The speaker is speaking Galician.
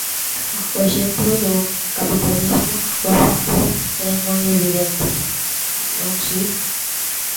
O exemplo do capitalismo hoxe en día é moi evidente, non si?